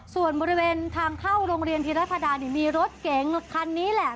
ส่วนบริเวณทางเข้าโรงเรียนธีรพดานี่มีรถเก๋งคันนี้แหละ